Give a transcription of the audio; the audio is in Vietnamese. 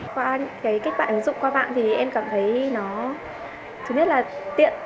qua cách bạn hướng dụng qua bạn thì em cảm thấy nó thứ nhất là tiện